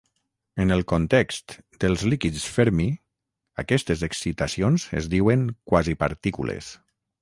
En el context dels líquids Fermi, aquestes excitacions es diuen "quasipartícules".